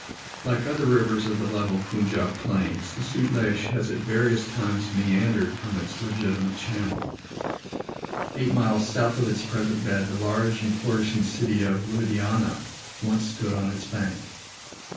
Like other rivers of the level Punjab plains, the Sutlej has at various times meandered from its legitimate channel; eight miles south of its present bed the large and flourishing city of Ludhiana once stood on its bank.